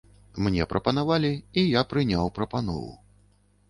Мне прапанавалі, і я прыняў прапанову.